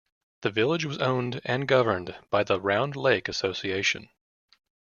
The village was owned and governed by the "Round Lake Association".